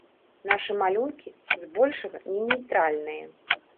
Нашы малюнкі, збольшага, не нейтральныя.